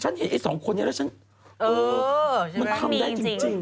ชิ้นเห็นไอ้สองคนเนี่ยแล้วชิ้นเหิงค่ะมันทำได้จริง